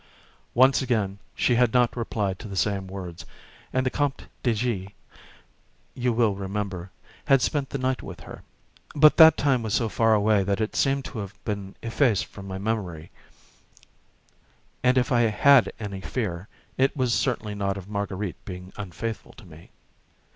Once already she had not replied to the same words, and the Comte de G., you will remember, had spent the night with her; but that time was so far away that it seemed to have been effaced from my memory, and if I had any fear, it was certainly not of Marguerite being unfaithful to me.